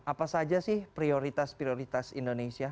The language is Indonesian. apa saja sih prioritas prioritas indonesia